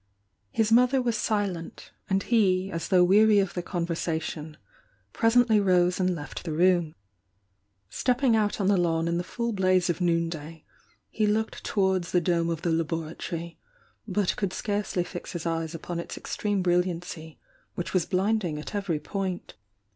His mother was silent, and he, as though weary of the conversation, presently rose and left the room. Stepping out on the lawn in the full blaze of noon day, he looked towards the dome of the laboratory, but could scarcely fix his eyes upon its extreme bril liancy, which was blinding at every point.